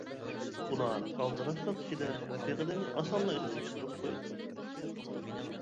ئۇلار ئالدىراشلىق ئىچىدە رەپىقىلىرىنى ئاسانلا ئېسىدىن چىقىرىپ قويىدۇ.